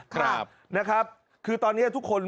ครับนะครับคือตอนนี้ทุกคน